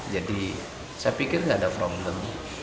jadi saya pikir nggak ada problem